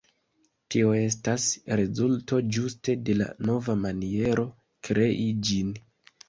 Tio estas rezulto ĝuste de la nova maniero krei ĝin.